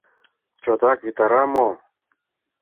Чотак витара мо?